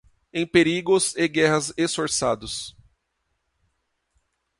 Em perigos e guerras esforçados